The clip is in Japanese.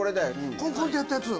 コンコンってやったやつ。